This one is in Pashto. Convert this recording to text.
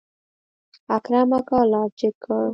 اکرم اکا لاس جګ کړ.